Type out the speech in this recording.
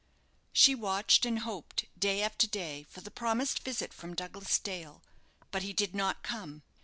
She watched and hoped day after day for the promised visit from Douglas Dale, but he did not come.